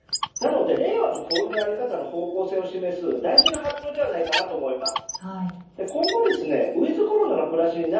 令和の小売の在り方の方向性を示す大事な発表ではないかと思います。